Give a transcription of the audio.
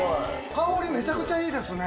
香りめちゃくちゃいいですね。